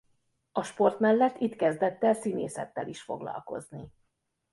A sport mellett itt kezdett el színészettel is foglalkozni.